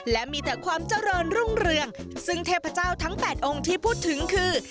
และมีแต่ความเจริญรุ่งเรืองซึ่งเทพเจ้าทั้ง๘องค์ที่พูดถึงคือ